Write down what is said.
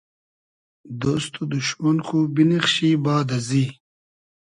دۉست و دوشمۉن خو بینیخشی باد ازی